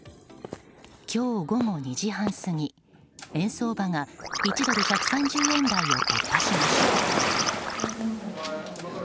今日午後２時半過ぎ円相場が１ドル＝１３０円台を突破しました。